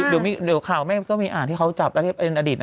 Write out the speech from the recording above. เดี๋ยวข่าวแม่ก็มีอ่านที่เขาจับอดีตนักธิราช